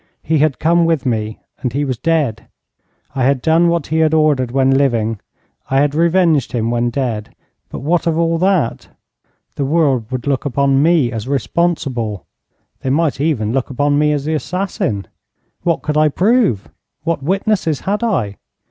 He had come with me and he was dead. I had done what he had ordered when living. I had revenged him when dead. But what of all that? The world would look upon me as responsible. They might even look upon me as the assassin. What could I prove? What witnesses had I?